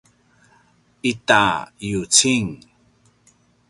ita yucing